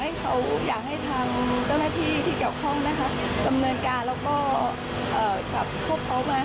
สำหรับทุกคนเหมือนกันคะใจเขาใจเราก็อยากให้เขาเห็นใจเรากับชีวิตให้เราบ้าง